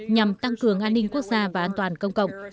nhằm tăng cường an ninh quốc gia và an toàn công cộng